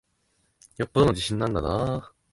よっぽどの自信なんだなぁ。